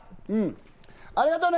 ありがとうね！